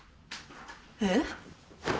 えっ？